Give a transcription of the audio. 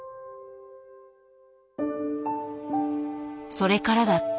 それからだった。